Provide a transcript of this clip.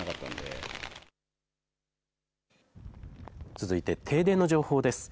続いて停電の情報です。